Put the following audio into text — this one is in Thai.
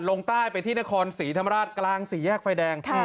ลงใต้ไปที่นครศรีธรรมราชกลางสี่แยกไฟแดง